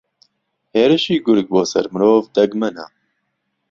ھێرشی گورگ بۆسەر مرۆڤ دەگمەنە